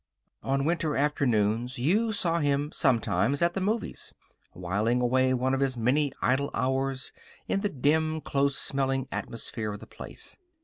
On winter afternoons you saw him sometimes at the movies, whiling away one of his many idle hours in the dim, close smelling atmosphere of the place.